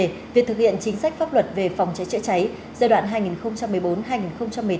về việc thực hiện chính sách pháp luật về phòng cháy chữa cháy giai đoạn hai nghìn một mươi bốn hai nghìn một mươi tám